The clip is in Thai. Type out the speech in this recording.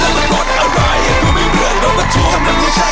สวัสดีนะครับ